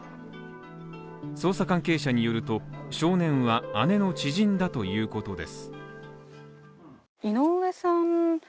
捜査関係者によると、少年は姉の知人だということです。